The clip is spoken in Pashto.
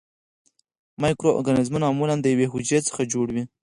مایکرو ارګانیزمونه معمولاً د یوې حجرې څخه جوړ وي.